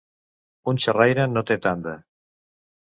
Un xerraire no té tanda.